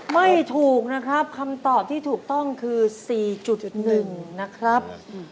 ไม่ถูกนะครับคำตอบที่ถูกต้องคือ๔๑นะครับ